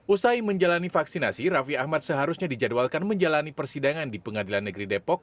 usai menjalani vaksinasi raffi ahmad seharusnya dijadwalkan menjalani persidangan di pengadilan negeri depok